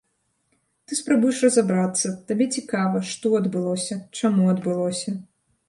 Ты спрабуеш разабрацца, табе цікава, што адбылося, чаму адбылося.